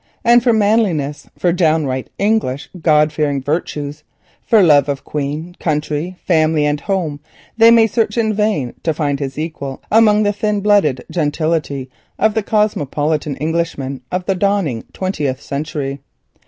And for manliness, for downright English God fearing virtues, for love of Queen, country, family and home, they may search in vain to find his equal among the cosmopolitan Englishmen of the dawning twentieth century.